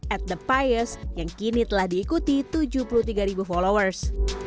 atthepious yang kini telah diikuti tujuh puluh tiga followers